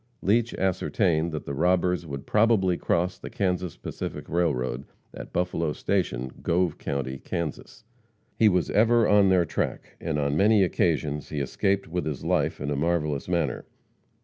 Leach ascertained that the robbers would probably cross the Kansas Pacific railroad at Buffalo Station, Gove county, Kansas. He was ever on their track, and on many occasions he escaped with his life in a marvelous manner.